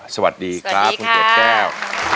สวัสดีครับคุณเกดแก้ว